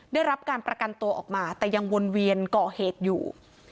ได้รับการประกันตัวออกมาแต่ยังวนเวียนก่อเหตุอยู่